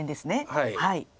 はい。